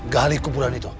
gali kuburan itu